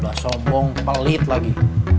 udah sombong pelit lagi